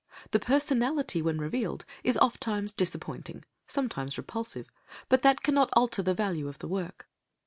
The personality when revealed is oft times disappointing, sometimes repulsive, but that cannot alter the value of the work.